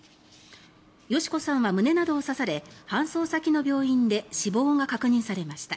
佳子さんは胸などを刺され搬送先の病院で死亡が確認されました。